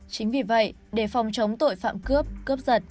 chính vì vậy để phòng chống tội phạm cướp cướp giật